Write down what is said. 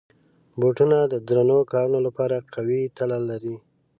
بوټونه د درنو کارونو لپاره قوي تله لري.